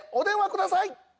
ください